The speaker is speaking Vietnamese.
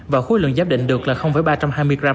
và khối lượng giáp định được là ba trăm hai mươi gram